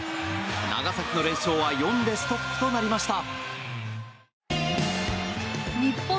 長崎の連勝は４でストップとなりました。